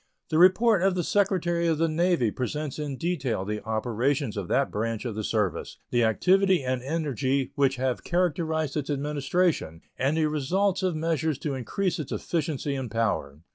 The report of the Secretary of the Navy presents in detail the operations of that branch of the service, the activity and energy which have characterized its administration, and the results of measures to increase its efficiency and power.